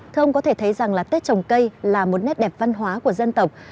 thưa ông có thể thấy rằng là tết trồng cây là một nét đẹp văn hóa của dân tộc